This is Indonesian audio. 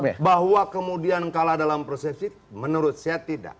oke bahwa kemudian kalah dalam persepsi menurut saya tidak